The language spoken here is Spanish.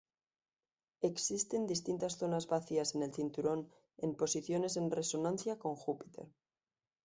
Existen distintas zonas vacías en el cinturón en posiciones en resonancia con Júpiter.